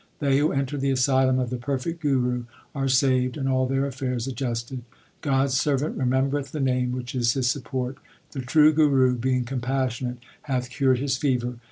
They who enter the asylum of the perfect Guru are saved, and all their affairs adjusted. God s servant remembereth the Name which is his support. The True Guru being compassionate hath cured his fever.